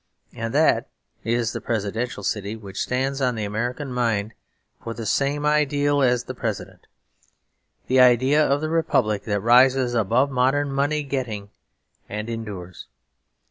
And that is the presidential city, which stands in the American mind for the same ideal as the President; the idea of the Republic that rises above modern money getting and endures.